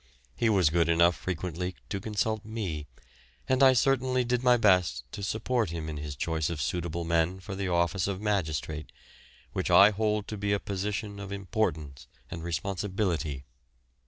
He was good enough frequently to consult me, and I certainly did my best to support him in his choice of suitable men for the office of magistrate, which I hold to be a position of importance and responsibility.